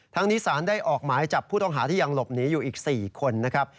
ทั้งนี้สารได้ออกหมายจับผู้ต้องหาที่ยังหลบหนีอยู่อีก๔คนนะครับ